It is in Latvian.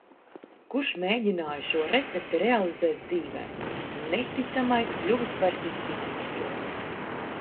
Kurš mēģināja šo recepti realizēt dzīvē. Neticamais kļuvis par ikdienišķo.